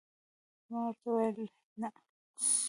ما ورته وویل: نه.